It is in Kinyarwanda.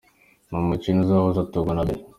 Ni umukino uzahuza Togo na Bénin.